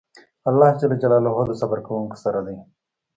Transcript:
الله د صبر کوونکو سره دی.